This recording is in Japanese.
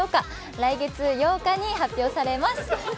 来月８日に発表されます。